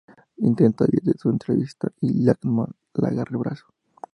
Intenta huir de su entrevista y Langdon la agarra del brazo.